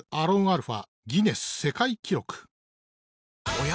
おや？